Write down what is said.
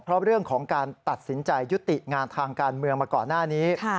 เพราะเรื่องของการตัดสินใจยุติงานทางการเมืองมาก่อนหน้านี้